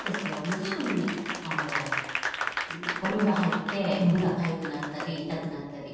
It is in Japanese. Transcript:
もうすぐにゴミが入って目がかゆくなったり痛くなったり。